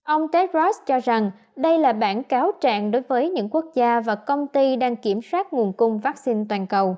ông tedros cho rằng đây là bản cáo trạng đối với những quốc gia và công ty đang kiểm soát nguồn cung vaccine toàn cầu